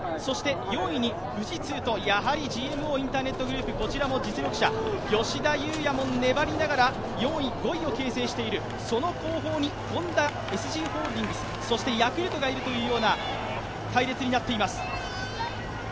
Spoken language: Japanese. ４位に富士通と、やはりＧＭＯインターネットグループ、こちらも実力者、吉田祐也も粘りながら４位、５位を形成している、その後方にＨｏｎｄａ、ＳＧホールディングス、ヤクルトがいるという隊列になっています。